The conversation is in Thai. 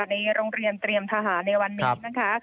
ในโรงเรียนเตรียมทหารในวันนี้นะคะ